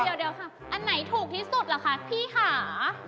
เดี๋ยวค่ะอันไหนถูกที่สุดล่ะคะพี่ค่ะ